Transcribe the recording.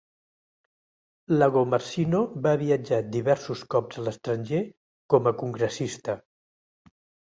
Lagomarsino va viatjar diversos cops a l'estranger com a congressista.